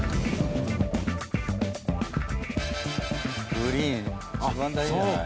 グリーン一番大事じゃない？